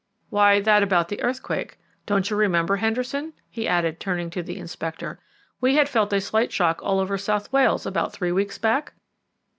"Why, that about the earthquake. Don't you remember, Henderson," he added, turning to the Inspector, "we had felt a slight shock all over South Wales about three weeks back?"